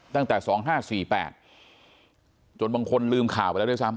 ตั้งแต่๒๕๔๘จนบางคนลืมข่าวไปแล้วด้วยซ้ำ